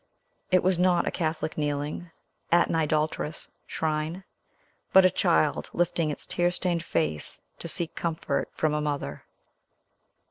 It was not a Catholic kneeling at an idolatrous shrine, but a child lifting its tear stained face to seek comfort from a mother.